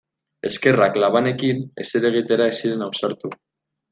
Eskerrak labanekin ezer egitera ez ziren ausartu.